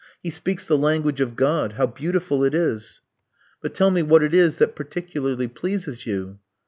He speaks the language of God. How beautiful it is!" "But tell me what it is that particularly pleases you."